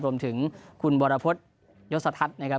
รวมถึงคุณวรพฤษยศทัศน์นะครับ